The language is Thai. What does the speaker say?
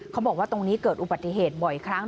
เขาบอกว่าตรงนี้เกิดอุบัติเหตุบ่อยครั้ง